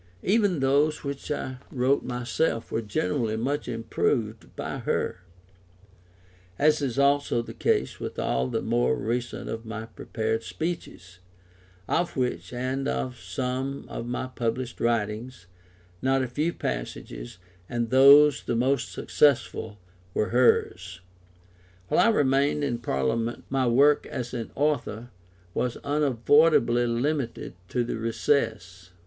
Even those which I wrote myself were generally much improved by her, as is also the case with all the more recent of my prepared speeches, of which, and of some of my published writings, not a few passages, and those the most successful, were hers.] While I remained in Parliament my work as an author was unavoidably limited to the recess.